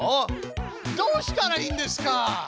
どうしたらいいんですか！？